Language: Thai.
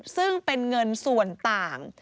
ซึ่งเป็นเงินส่วนต่าง